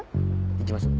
行きましょう。